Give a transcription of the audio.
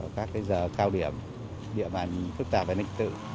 các giờ cao điểm địa bàn phức tạp về an ninh tự